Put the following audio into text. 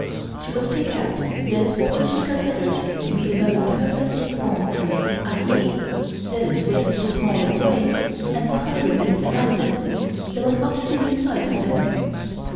She would pick out those which she considered to be the most perfect in form, i. e., those with the smallest waist and tie ribbons around them so as not to lose sight of them.